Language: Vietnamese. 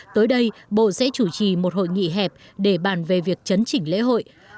tới đây bộ sẽ chủ trì một hội nghị hẹp để bàn về việc chấn chỉnh lễ hội